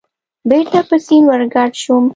بېرته په سیند ورګډ شوم.